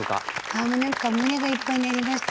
ああもう何か胸がいっぱいになりました。